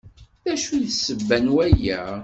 D acu d ssebba n waya?